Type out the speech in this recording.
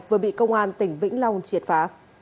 vừa bị công an tỉnh vĩnh long triệt phá